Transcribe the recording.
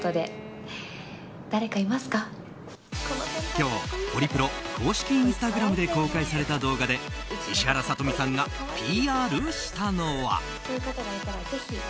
今日ホリプロ公式インスタグラムで公開された動画で石原さとみさんがＰＲしたのは。